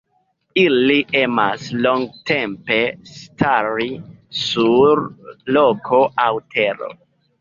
Ili emas longtempe stari sur roko aŭ tero.